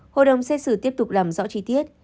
hội đồng xét xử tiếp tục làm rõ chi tiết